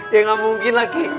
ya gak mungkin lah ki